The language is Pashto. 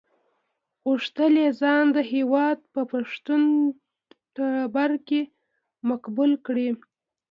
غوښتل یې ځان د هېواد په پښتون ټبر کې مقبول کړي.